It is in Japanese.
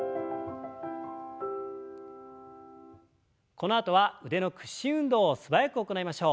このあとは腕の屈伸運動を素早く行いましょう。